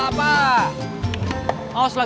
ada denny juga